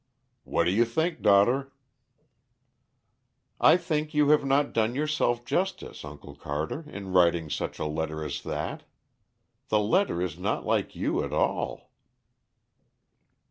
"What do you think, daughter?" "I think you have not done yourself justice, Uncle Carter, in writing such a letter as that. The letter is not like you, at all."